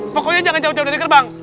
pokoknya jangan jauh jauh dari gerbang